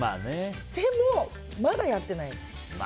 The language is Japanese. でも、まだやってないです。